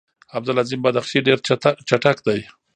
عبدالعظیم بدخشي ډېر چټک دی.